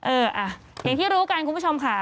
อย่างที่รู้กันคุณผู้ชมค่ะ